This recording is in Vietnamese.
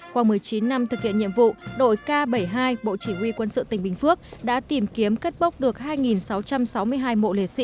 qua một mươi chín năm thực hiện nhiệm vụ đội k bảy mươi hai bộ chỉ huy quân sự tỉnh bình phước đã tìm kiếm cất bốc được hai sáu trăm sáu mươi hai mộ liệt sĩ